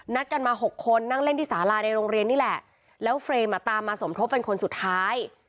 กันมาหกคนนั่งเล่นที่สาลาในโรงเรียนนี่แหละแล้วเฟรมอ่ะตามมาสมทบเป็นคนสุดท้าย